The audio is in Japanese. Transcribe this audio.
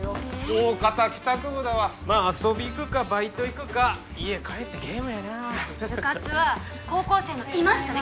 おおかた帰宅部だわまあ遊び行くかバイト行くか家帰ってゲームやな部活は高校生の今しかできひんのですよ